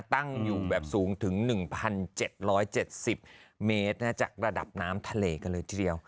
ตั้งอยู่แบบสูงถึง๑๗๗๐เมตรจากระดับน้ำทะเลกันเลยทีเดียว